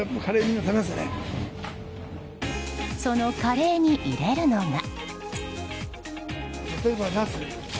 そのカレーに入れるのが。